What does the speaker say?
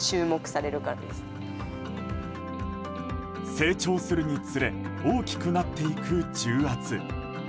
成長するにつれ大きくなっていく重圧。